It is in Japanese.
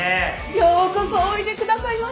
・ようこそおいでくださいました！